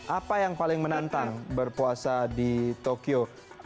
apa yang paling menantang berpuasa di tokyo